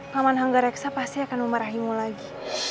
pak man hangga reksa pasti akan memarahimu lagi